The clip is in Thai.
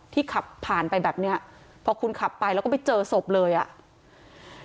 ขับผ่านไปแบบเนี้ยพอคุณขับไปแล้วก็ไปเจอศพเลยอ่ะ